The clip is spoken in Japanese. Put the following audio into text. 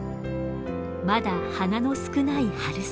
まだ花の少ない春先。